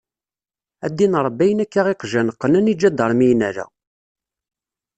A ddin Ṛebbi ayen akka iqjan qnen iǧadarmiyen ala.